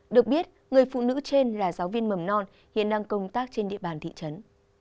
được biết người phụ nữ trên là giáo viên mầm non hiện đang công tác trên địa bàn thị trấn